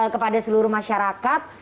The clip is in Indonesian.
kepada seluruh masyarakat